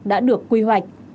đã được quy hoạch